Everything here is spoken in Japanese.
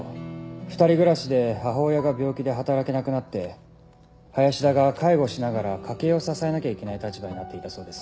２人暮らしで母親が病気で働けなくなって林田が介護しながら家計を支えなきゃいけない立場になっていたそうです。